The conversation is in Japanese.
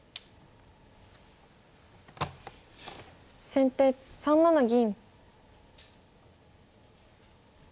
先手３七銀。